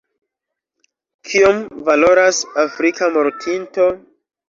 Kiom valoras afrika mortinto?